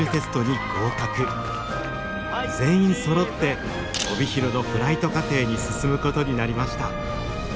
全員そろって帯広のフライト課程に進むことになりました。